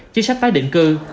chứ sắp tái định cư